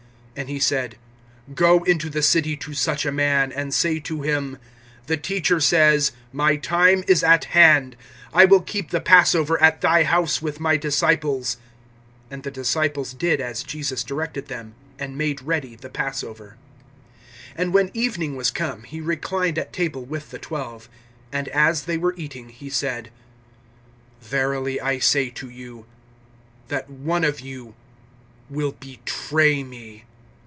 (18)And he said: Go into the city to such a man, and say to him: The Teacher says, my time is at hand; I will keep the passover at thy house with my disciples. (19)And the disciples did as Jesus directed them, and made ready the passover. (20)And when evening was come, he reclined at table with the twelve. (21)And as they were eating, he said: Verily I say to you, that one of you will betray me.